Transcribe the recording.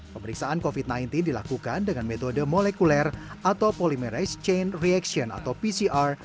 pemeriksaan covid sembilan belas dilakukan dengan metode molekuler atau polimerase chain reaction atau pcr